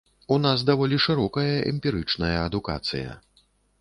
У нас даволі шырокая эмпірычная адукацыя.